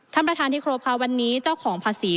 ท่านประธานที่ครบค่ะวันนี้เจ้าของภาษี